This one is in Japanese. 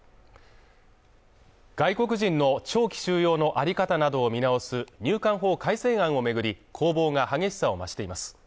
外国人の長期収容のあり方などを見直す入管法改正案を巡り攻防が激しさを増しています。